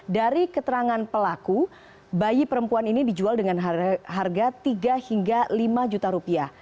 dari keterangan pelaku bayi perempuan ini dijual dengan harga tiga hingga lima juta rupiah